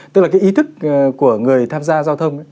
tức là cái ý thức của người tham gia giao thông